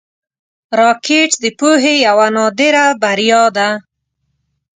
راکټ د پوهې یوه نادره بریا ده